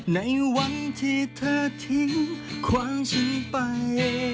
ในวันที่เธอทิ้งขวางฉันไป